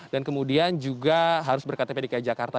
dan kemudian juga harus berktp dki jakarta